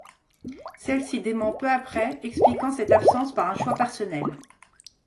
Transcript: Celle-ci dément peu après, expliquant cette absence par un choix personnel.